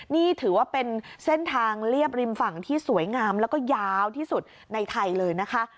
นี่ถือว่าเป็นเส้นทางเรียบริมฝั่งที่สวยงามแล้วก็ยาวที่สุดในไทยเลยนะคะ